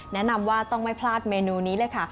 แนะนำว่าต้องไม่พลาดเมนูนี้เลยค่ะ